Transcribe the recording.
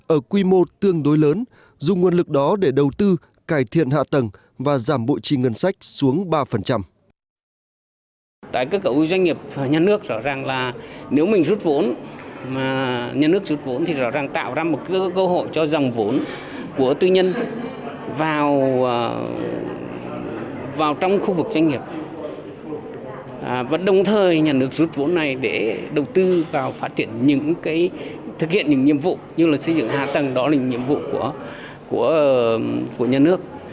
ở quy mô tương đối lớn dùng nguồn lực đó để đầu tư cải thiện hạ tầng và giảm bộ trì ngân sách xuống ba